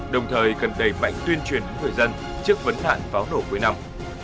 đồng thời cần đẩy mạnh tuyên truyền đến người dân trước vấn đạn pháo nổ cuối năm